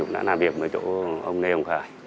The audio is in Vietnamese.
đã làm việc với chỗ ông nê hồng khải